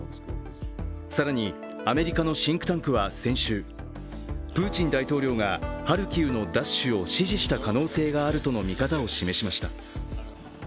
更に、アメリカのシンクタンクは先週、プーチン大統領がハルキウの奪取を指示した可能性があると見方を示しました。